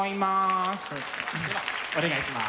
ではお願いします。